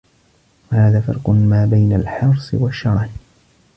وَهَذَا فَرْقُ مَا بَيْنَ الْحِرْصِ وَالشَّرَهِ